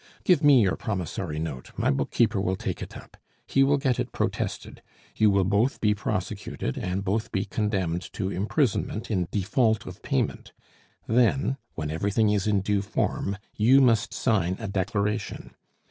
Give me your promissory note; my bookkeeper will take it up; he will get it protested; you will both be prosecuted and both be condemned to imprisonment in default of payment; then, when everything is in due form, you must sign a declaration.